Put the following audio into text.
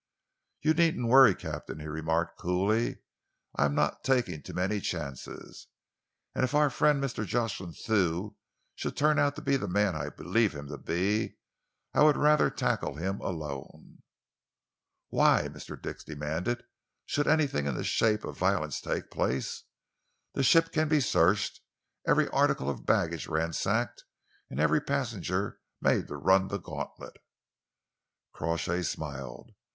"You needn't worry, Captain," he remarked coolly. "I am not taking too many chances, and if our friend Mr. Jocelyn Thew should turn out to be the man I believe him to be, I would rather tackle him alone." "Why," Mr. Dix demanded, "should anything in the shape of violence take place? The ship can be searched, every article of baggage ransacked, and every passenger made to run the gauntlet." Crawshay smiled.